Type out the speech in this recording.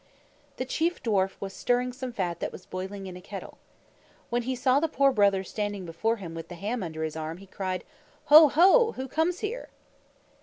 The Chief Dwarf was stirring some fat that was boiling in a kettle. When he saw the Poor Brother standing before him with the ham under his arm, he cried, "Ho, ho! Who comes here?"